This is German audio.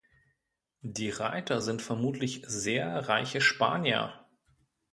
Die Reiter sind vermutlich sehr reiche Spanier.